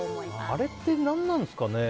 あれって何なんですかね。